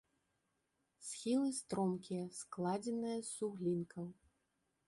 Схілы стромкія, складзеныя з суглінкаў.